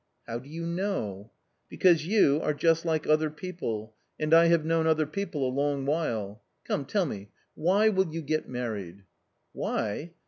" How do you know ?" "Because you are just like other people, and I have 78 A COMMON STORY known other people a long while. Come, tell me, why will you get married ?"" Why